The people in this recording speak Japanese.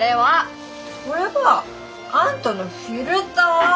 それはあんたのフィルター！